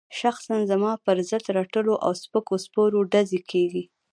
شخصاً زما پر ضد رټلو او سپکو سپور ډزې کېږي.